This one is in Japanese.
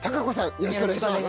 よろしくお願いします。